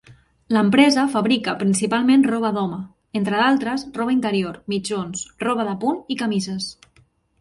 L'empresa fabrica principalment roba d'home, entre altres, roba interior, mitjons, roba de punt i camises.